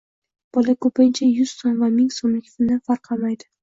bola ko‘pincha yuz so‘m va ming so‘mlikni farqlamaydi.